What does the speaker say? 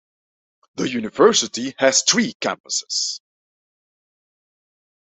The University has three campuses.